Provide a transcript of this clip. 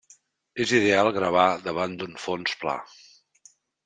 És ideal gravar davant d'un fons pla.